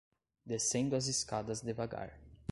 descendo as escadas devagar